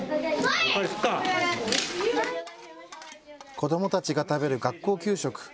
子どもたちが食べる学校給食。